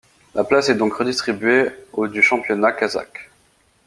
La place est donc redistribuée au du championnat kazakh.